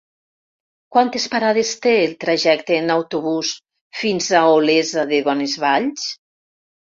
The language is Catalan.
Quantes parades té el trajecte en autobús fins a Olesa de Bonesvalls?